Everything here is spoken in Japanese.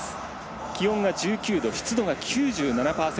気温が１９度、湿度が９７％。